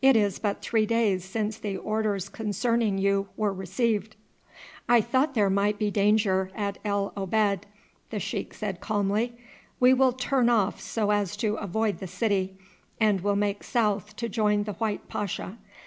It is but three days since the orders concerning you were received." "I thought there might be danger at El Obeid," the sheik said calmly. "We will turn off so as to avoid the city, and will make south to join the white pasha.